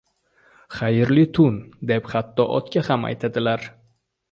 • «Xayrli tun» deb hatto otga ham aytadilar.